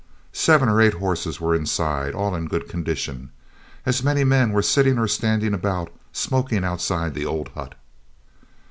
Seven or eight horses were inside, all in good condition. As many men were sitting or standing about smoking outside the old hut.